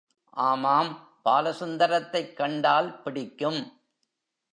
ஆமாம், பாலசுந்தரத்தைக் கண்டால் பிடிக்கும்.